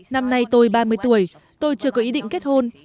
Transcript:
năm nay tôi ba mươi tuổi tôi chưa có ý định kết hôn